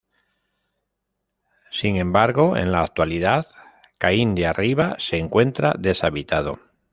Sin embargo, en la actualidad, Caín de Arriba se encuentra deshabitado.